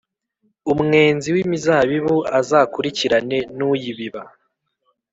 umwenzi w’imizabibu azakurikirane n’uyibiba,